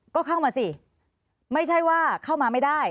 ก็เข้ามาสิไม่ใช่ว่าเข้ามาไม่ได้